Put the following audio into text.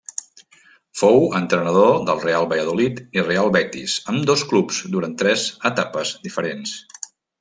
Fou entrenador del Real Valladolid i Real Betis, ambdós clubs durant tres etapes diferents.